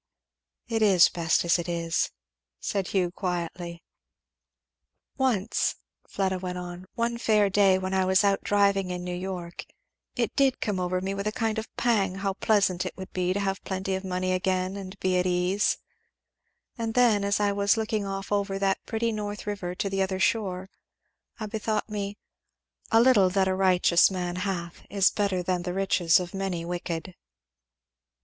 "It is best as it is," said Hugh quietly. "Once," Fleda went on, "one fair day when I was out driving in New York, it did come over me with a kind of pang how pleasant it would be to have plenty of money again and be at ease; and then, as I was looking off over that pretty North river to the other shore, I bethought me, 'A little that a righteous man hath is better than the riches of many wicked.'"